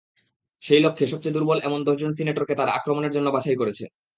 সেই লক্ষ্যে সবচেয়ে দুর্বল এমন দশজন সিনেটরকে তারা আক্রমণের জন্য বাছাই করেছে।